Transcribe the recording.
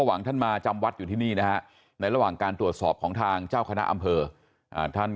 หวังท่านมาจำวัดอยู่ที่นี่นะฮะในระหว่างการตรวจสอบของทางเจ้าคณะอำเภอท่าน